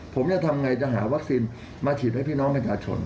ผมจะทำไงจะหาวัคซีนมาฉีดให้พี่น้องประชาชน